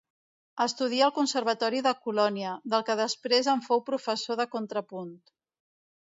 Estudia al Conservatori de Colònia, del que després en fou professor de contrapunt.